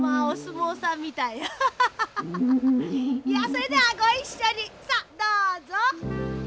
それではごいっしょにさあどうぞ。